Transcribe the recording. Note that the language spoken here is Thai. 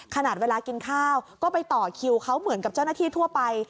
ขนาดเวลากินข้าวก็ไปต่อคิวเขาเหมือนกับเจ้าหน้าที่ทั่วไป